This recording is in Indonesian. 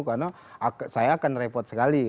karena saya akan repot sekali